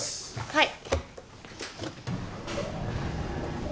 はい。